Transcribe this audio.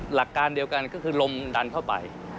หลักการเดียวกันก็คือลมดันเข้าไป